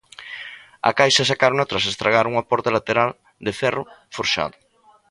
A caixa sacárona tras estragar unha porta lateral de ferro forxado.